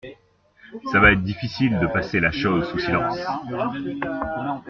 Ça va être difficile de passer la chose sous silence.